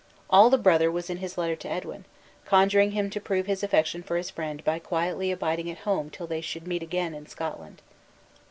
All the brother was in his letter to Edwin, conjuring him to prove his affection for his friend by quietly abiding at home till they should meet again in Scotland.